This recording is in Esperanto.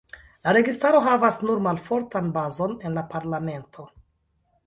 La registaro havas nur malfortan bazon en la parlamento.